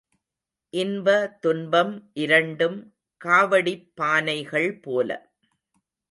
இன்ப துன்பம் இரண்டும் காவடிப் பானைகள் போல.